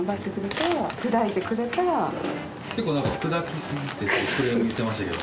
結構なんか砕きすぎってクレーム言ってましたけど。